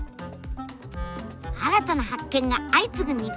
新たな発見が相次ぐ日本。